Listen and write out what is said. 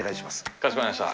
かしこまりました。